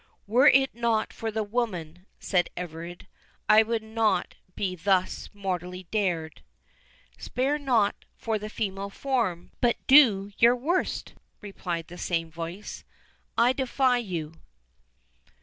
"Were it not for the woman," said Everard, "I would not be thus mortally dared." "Spare not for the female form, but do your worst," replied the same voice. "I defy you."